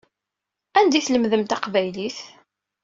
Anda i tlemdem taqbaylit?